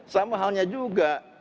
sama halnya juga